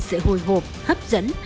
sự hồi hộp hấp dẫn